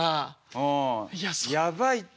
うんやばいって。